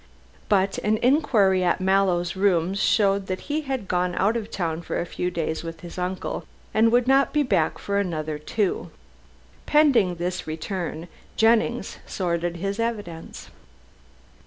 But an inquiry at Mallow's rooms showed that he had gone out of town for a few days with his uncle, and would not be back for another two. Pending this return, Jennings sorted his evidence.